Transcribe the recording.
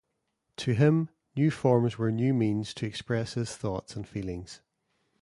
To him, new forms were new means to express his thoughts and feelings.